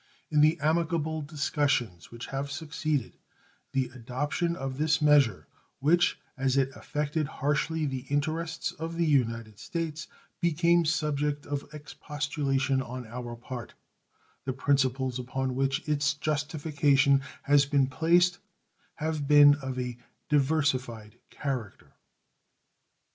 In the amicable discussions which have succeeded the adoption of this measure which, as it affected harshly the interests of the United States, became subject of expostulation on our part, the principles upon which its justification has been placed have been of a diversified character.